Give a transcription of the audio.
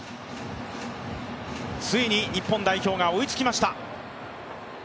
ついに日本代表が追いつきました。